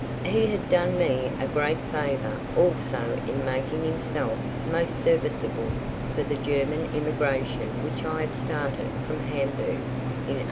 He had done me a great favour also in making himself most serviceable with the German immigration which I had started from Hamburg in 1849.